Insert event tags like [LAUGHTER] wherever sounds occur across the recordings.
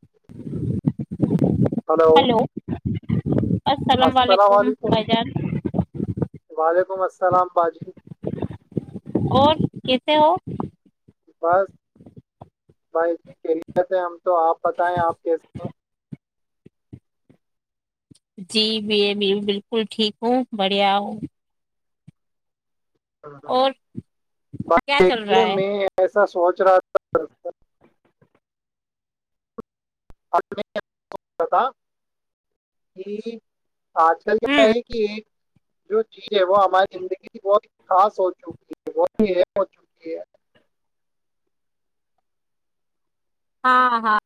[UNINTELLIGIBLE] Hello السلام علیکم بجان سلام باجی اور کیسے ہو بس بستنی کی تھ ہم تو آپ بتائیں آپ کیس تو [UNINTELLIGIBLE] جی بھی بالکل ٹھیک ہوں بڑھیا ہوں ہ ہ اور ب کیا چل دیکے رہا ہے میں ای ایسا سوچ رہا تھا آ میں تھا کہ آج کل کیا ہ ہے کہ ایک جو چیز ہے وہ ہماری زندگی کی بہت خاص ہو چکی ہے بہت ہی اہم ہو چکی ہے ہاں ہاں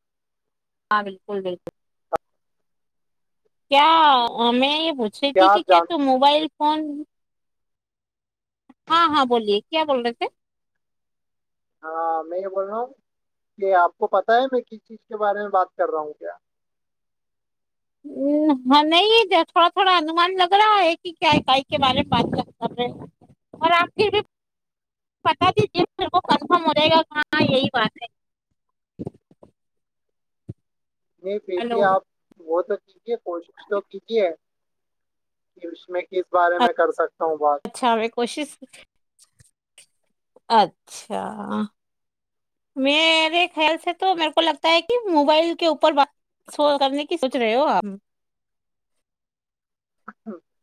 ہاں بالکل بالکل کیا میں یہ پوچھ رہی تھی کہ آپ کیا جان تو موبائل فون [UNINTELLIGIBLE] ہاں ہاں بولیے کیا بول رہے تھے ہاں میں یہ بول رہا ہوں کہ آپ کو پتاہ ہے میں کس چیز کے بارے میں بات کر رہا ہوں کیا ہاں نہیں تھوڑا تھوڑا انومان لگ رہا ہے کہ کیا اکائی کے بارے میں بات کر سے اور آپ پھر بھی بتا دیجیے پھر وہ کنفرم ہو جائے گا کہاں یہی بات ہے نہیں پھر ہلو بھی آپ وہ تو [UNINTELLIGIBLE] کییک ہے کوش توو کیج ہے [UNINTELLIGIBLE] ج اس میں [UNINTELLIGIBLE] کس بارے میں کر سکتا ہوں بات اچھا میں کوشش اچھا میرے خیال سے تو میرے کو لگتا ہے کہ موبائل کے اوپر بات سو کرنے کی سوچ رہے ہو ہم [UNINTELLIGIBLE]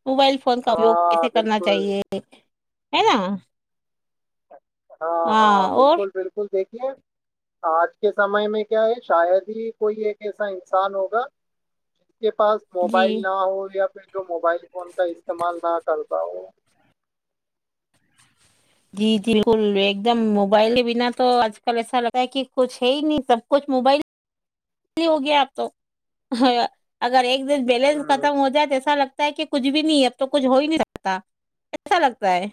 موبائل فون کا اپیوگ ہاں کیسے کرنا بالکل چاہیے ایدا [INAUDIBLE] اچ [INAUDIBLE] ہاں ہاں بالکل بالکل دیکھ آج کے سمے میں کیا ہے شاید ہی کوئی ایک ایسا انسان ہوگا اس کے پاس جی موبائل نہ ہو یا پھر جو موبائل فون کا استعمال نہ کر پاؤ جی بالکل ایک دم موبائل کے بنا تو آج کل ایسا لگتا ہے کہ کچھ ہے ہی نہیں سب کچھ موبائل ہوگیا آپ تو اگر ایک ن بیلنس ہوں ختم ہو جائے ایسا لگتا [UNINTELLIGIBLE] کہ کچھ بھی نہیں اب تو کچھ ہو ہی نہیں ساتتا ایسا لگتا ہے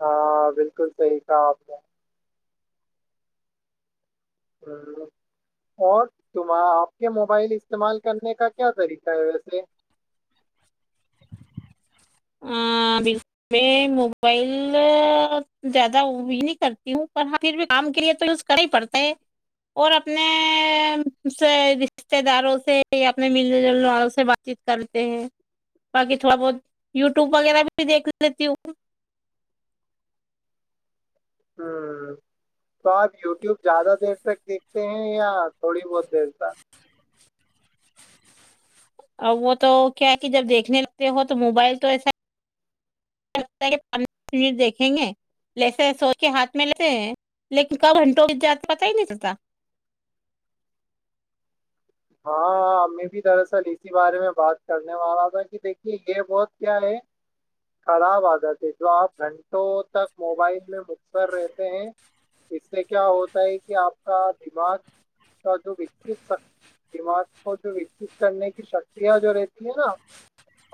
ہاں بالکل صحی کہ آپ نے [UNINTELLIGIBLE] اور تم آپ کے موبائل استعمال کرنے کا کیا طریقہ ہے ویسے میں موبائل زیادہ نہیں کرتی ہوں پر پھر بھی کام کے لیے تو یوز کرنا ہی پڑتا ہے اور اپنے سے رشتے داروں سے یا اپنے ملنے جلنے والوں سے بات چیت کرتے ہیں باقی تھوڑا بہت یوٹیوب وغیرہ پہ بھی دیکھ لیتی ہوں تو آپ یوٹیوب زیادہ دیر تک دیکھتے ہیں یا تھوڑی بہت دیر تک وہ تو کیا ہے کہ جب دیکھنے لگتے ہو تو موبائل تو ایسا پان منٹ دیکھیں گے لسے سوچ کے ہاتھ میں لیتے ہیں لیکن کب گنٹوں جات پتا ہی نہیں چتا ہاں میں بھی دراصل اسی بارے میں بات کرنے والا تھا کہ دیکھیے یہ بہت کیا ہے خراب عادت ہے جو آپ گھنٹوں تک موبائل میں مخصر رہتے ہیں اس سے کیا ہوتا ہے کہ آپ کا دماغ کا جو وکس دماغ کو جو وکست کرنے کی شکتیاں جو رہتی ہے نا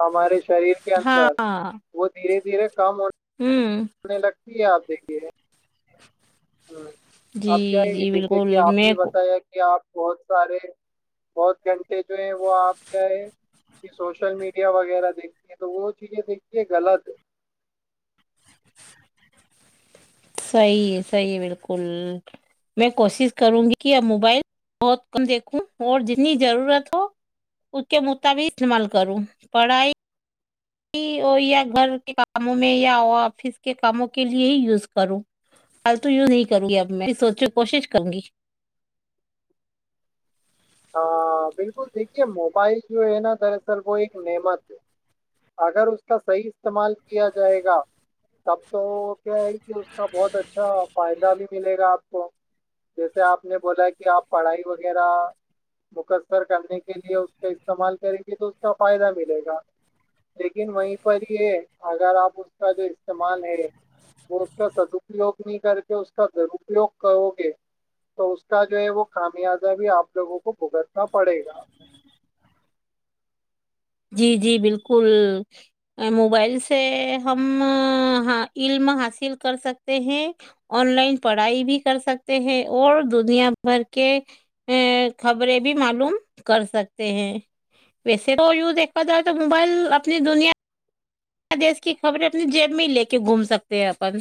ہمارے شریر کے اندر ہاں وہ دھیرے دھیرے کم ہونا ہوں سنے لگتی ہے آپ دیکھیے [INAUDIBLE] جی آپ کیااہیں گے جی جیسے کہ بالکل آپ میں بھی بتایا کہ آپ [UNINTELLIGIBLE] بہت سارے بہت گھنٹے جو ہیں وہ آپ کیا ہے کہ سوشل میڈیا وغیرہ دیکھتی ہیں تو وہ چیزیں دیکھتی غلط ہے صحیح صحیح بالکل میں کوشش کروں گی کہ اب موبائل بہت کم دیکھوں اور جتنی ضرورت ہو اس کے مطابق استعمال کروں پڑھائی یا گھر کے کاموں میں یا آفس کے کاموں کے لیے ہی یوز کروں فالتو یوز نہیں کروں گی اب میں سوچوں کوشش کروں گی بالکل دیکھیے موبائل جو ہے نا دراصل وہ ایک نعمت ہے اگر اس کا صحیح استعمال کیا جائے گا تب تو کیا ہے کہ اس کا بہت اچھا فائدہ بھی ملے گا آپ کو جیسے آپ نے بولا کہ آپ پڑھائی وغیرہ مقصر کرنے کے لیے اس کا استعمال کریں گے تو اس کا فائدہ ملے گا لیکن وہیں پر یہ ہے اگر آپ اس کا جو استعمال ہے وہ اس کا سدپیوگ نہیں کر کے اس کا درپیوگ کرو گے تو اس کا جو ہے وہ خامیازہ بھی آپ لوگوں کو بھگتنا پڑے گا جی جی بالکل موبائل سے ہم علم حاصل کر سکتے ہیں آن لائن پڑھائی بھی کر سکتے ہیں اور دنیا بھر کے خبریں بھی معلوم کر سکتے ہیں ویسے ایکیک ب در تو موبائل آ اپنی دنیا دیش کی خبریں اپنی جیب میں ہی لے کے گھوم سکتے ہیں اپن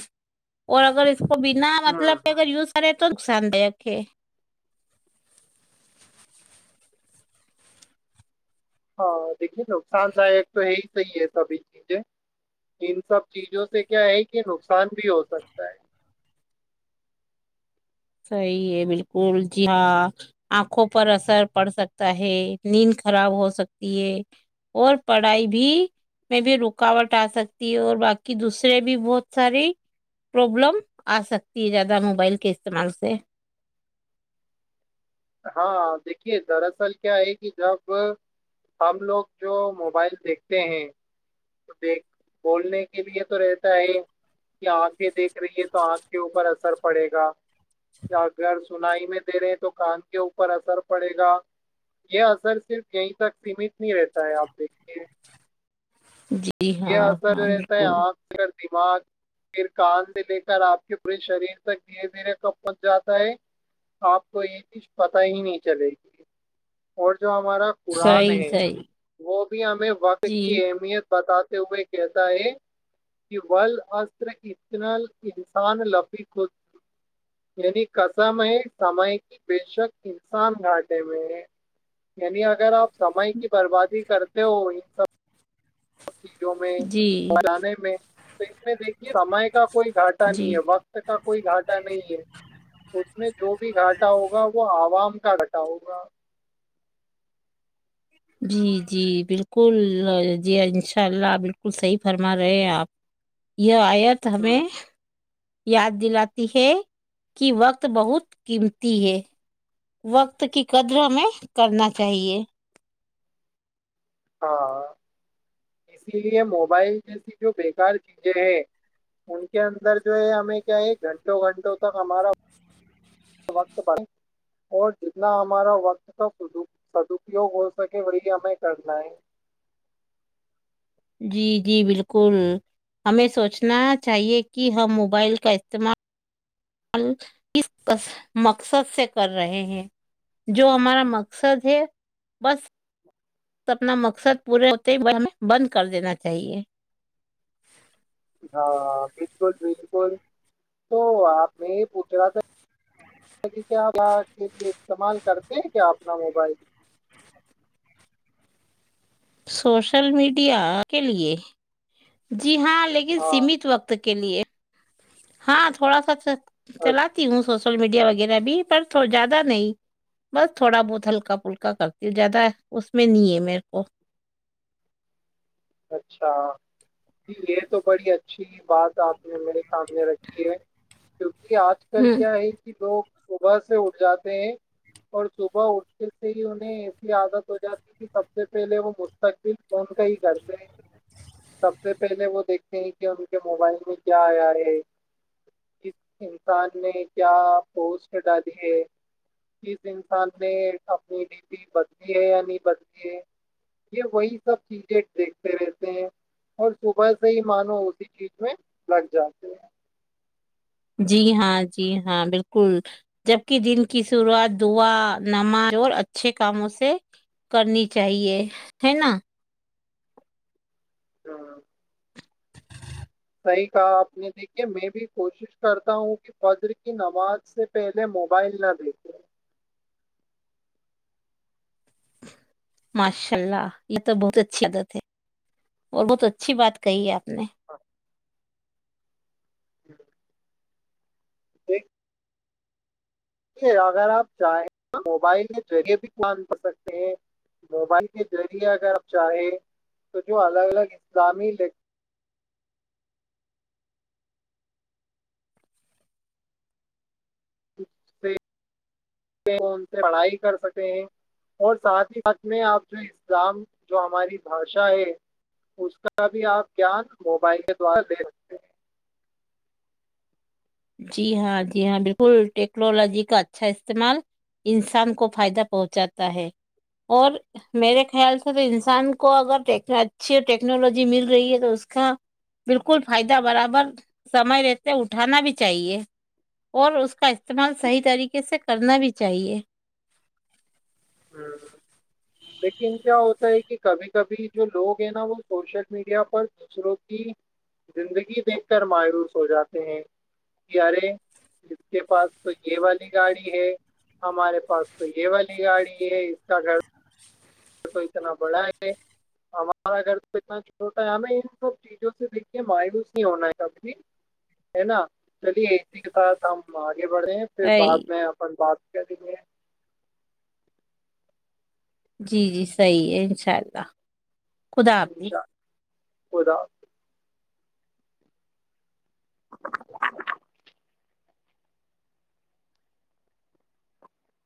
اور اگر کو بنا ہوں مطلب ہوں اگر یوز کرے تو قسد اکھے ہاں دیکھیے نقصان داک تو ہے ہی صحیح ہے سبھی چیزیں ان سب چیزوں سے کیا ہے کہ نقصان بھی ہو سکتا ہے صحیح ہے بالکل جی ہاں آنکھوں پر اثر پڑ سکتا ہے نیند خراب ہو سکتی ہے اور پڑھائی بھی میں بھی رکاوٹ آ سکتی ہے اور باقی دوسرے بھی بہت ساری پربلم آ سکتی ہے زیادہ موبائل کے سمل سے ہاں دیکھیے دراصل کیا ہے کہ جب ہم لوگ جو موبائل دیکھتے ہیں تو دیکھ بولنے کے لیے تو رہتا ہے کہ آنکھیں دیکھ رہی ہے تو آنکھ کے اوپر اثر پڑے گا اگر سنائی میں دے رہے ہیں تو کان کے اوپر اثر پڑے گا یہ اثر صرف یہیں تک سیمت نہیں رہتا ہے آپ دیکھیے جی یہ ہاں اثر ہاں ایس ہے بالکل آپ سے دماغ پھر کاند لے کر آپ کے پورے شریر تک دھیرے دھیرے کب پنچ جاتا ہے آپ کو یہ چیز پتا ہی نہیں چلے گی اور جو ہمارا قرآن صحیح ہے صحیح وہ بھی ہمیں وقت جی کی اہمیت بتاتے ہوئے کہتا ہے کہ ول ار اتنا انسان لفیق خود یعنی کسم ہے سم کی بے شک انسان گھٹے میں ہے یعنی اگر آپ سمع کی بربادی کرتے ہو ان سب [UNINTELLIGIBLE] سب چیزوں میں جی فلانے میں [UNINTELLIGIBLE] تو اس میں دیکھ [UNINTELLIGIBLE] یہ سمے کا کوئی گھاٹا نہیں جی ہے وقت کا کوئی گھاٹا نہیں ہے اس میں جو بھی گھاٹا ہوگا وہ عوام [UNINTELLIGIBLE] گٹٹ آؤ گا [UNINTELLIGIBLE] جی جی بالکل جی ان شاء اللہ بالکل صحیح فرما رہے آپ یہ آئے [UNINTELLIGIBLE] ت ہمیں [UNINTELLIGIBLE] یاد دلاتی ہے کہ وقت بہت قیمتی ہے وقت کی قدر ہمیں کرنا چاہیئے [UNINTELLIGIBLE] ہاں اسی لیے موبائل جیسی جو بیکار چیزیں ہیں ان کے اندر جو ہے ہمیں کیا ہے گھنٹوں گھنٹوں تک ہمارا [UNINTELLIGIBLE] وقت پرن اور جتنا ہمارا وقت تو سدپیوگ ہو سکے وہی ہمیں کرنا ہے [UNINTELLIGIBLE] جی جی بالکل ہمیں سوچنا چاہیے کہ ہم موبائل کا استعمال [UNINTELLIGIBLE] ہم اس مقصد سے کر رہے ہیں جو ہمارا مقصد ہے بس [UNINTELLIGIBLE] اپنا مقصد پورے ہوتے ہی ہمیں بند کر دینا چاہیے [UNINTELLIGIBLE] ہاں بالکل بالکل تو آپ میں یہ پوچھ رہا تھا کیا اس کے لیے استعمال کرتے ہیں کیا اپنا موبائل [UNINTELLIGIBLE] سوشل میڈیا کے لیے جو [UNINTELLIGIBLE] جی ہاں لیکن ہاں سیمت وقت [UNINTELLIGIBLE] کے لیے [UNINTELLIGIBLE] ہاں تھوڑا سا اچھا چلاتی ہوں سوچ [UNINTELLIGIBLE] س میڈیا وغیرہ بھی پر زیادہ نہیں بس تھوڑا بہت ہلکا پلکا پلکا کرتی ہے زد ہے [UNINTELLIGIBLE] اس میں نہیں ہے میرے کو [UNINTELLIGIBLE] اچھا ج یہ تو بڑی اچھی بات آپ نے میرے سامنے رکھی ہے کی [UNINTELLIGIBLE] یہ آج کل ہوں کیا ہے کہ لوگ صبح سے اٹھ جاتے ہیں اور صبح اٹھتے سے ہی انہیں ایسی عادت ہو جاتی ہے کہ سب سے پہلے وہ مستقبل کون کا ہی کر سب سے پہلے وہ دیکھتے ہیں کہ ان کے موبائل میں کیا آیا ہے کس انسان نے کیا پوسٹ ڈالی ہے کس انسان نے اپنی ڈی پی بدلی ہے یا نہیں بدلی ہے یہ وہی سب چیزیں دیک ہتے ہیں اور صبح سے ہی مانو اسی چیز میں لگ جاتے ہیں جی ہاں جی ہاں بالکل جبک دن کی شروعات دعا نماز اور اچھے کاموں سے کرنی چاہیے ہے نا ہاں صحیح کہا آپ نے دیکھیے میں بھی کوشش کرتا ہوں کہ فجر کی نماز سے پہلے موبائل نہ دیکھے ماشاء اللہ یہ تو بہت اچی عادت ہے اور بہت اچھی بات کہی ہے آپ جھ ہاں ایک اگر آپ چاہیں تو موبائل کے ذریعے بھی جان کر سکتے ہیں موبائل کے ذریعے اگر پ چاہیں تو جو الگ الگ اسلامی سے سے پڑھائی کر سکتے ہیں اور ساتھ ہی ساتھ میں آپ جو اسلام جو ہماری بھاشاہے اس کا بھی آپ گان موبائل کے دوارا دے سکتے ہیں جی ہاں جی ہاں بالکل ٹیکنالوجی کا اچھا استعمال انسان کو فائدہ پہنچاتا ہے اور میرے خیال سے تو انسان کو اگر اچھی ٹیکنالوجی مل رہی ہے تو اس کا بالکل فائدہ برابر سمئے رہتے اٹھانا بھی چاہیے اور اس کا استعمال صح ہیں طریقے سے کرنا بھی [UNINTELLIGIBLE] چاہیے ہ لیکن کیا ہوتا ہے کہ کبھی کبھی جو لوگ ہیں نا وہ سوشل میڈیا پر دوسروں کی زندگی دیکھ کر مایروس ہو جاتے ہیں کہ ارے اس کے پاس تو یہ والی گاڑی ہے ہمارے پاس تو یہ والی گاڑی [UNINTELLIGIBLE] یہ س گ تو اتنا بڑا ہے ہمارا گھر تو اتنا چھوٹا ہے ہمیں ان سب چیزوں سے دیکھیے مایوس نہیں ہونا ہے کب بھی ہے نا چلیے اسی کے سح ہم آگے بڑے ہیں پھر صحیح. بعد میں اپن بات دے جی جی صحیح ہے انشاء اللہ خدا حافظ انشاءلہ خدا حظ [UNINTELLIGIBLE]